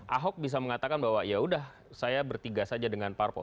ahok bisa mengatakan bahwa ya udah saya bertiga saja dengan parpol